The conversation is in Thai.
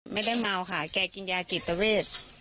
ไม่ได้เมาค่ะแกกินยาจิตเวท